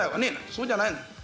そうじゃないの。